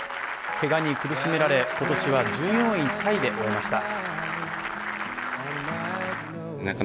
けがに苦しめられ、今年は１４位タイで終えました。